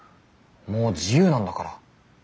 もう自由なんだから。